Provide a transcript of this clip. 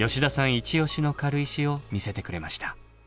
一押しの軽石を見せてくれました。